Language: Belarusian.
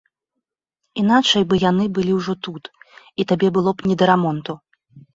Іначай бы яны былі ўжо тут, і табе было б не да рамонту.